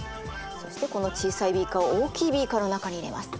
そしてこの小さいビーカーを大きいビーカーの中に入れます。